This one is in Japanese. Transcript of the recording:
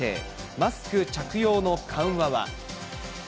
マスク着用の緩和は。